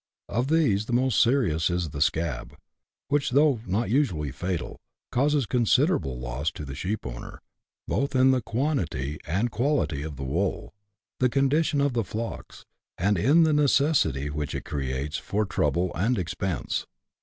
Of these the most serious is the scab, which, though not usually fatal, causes considerable loss to the sheepowner, both in the quantity and quality of the wool, the condition of the flocks, and in the necessity which it creates for trouble and expense.